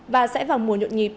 và sẽ vào mùa nhuận nhịp